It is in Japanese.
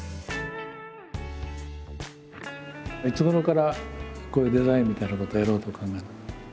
いつごろからこういうデザインみたいなことをやろうと考えた？